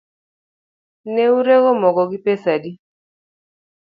Neurego mogo gi pesa adi